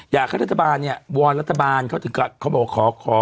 อยากให้รัฐบาลเนี่ยบัวรัฐบาลเขาบอก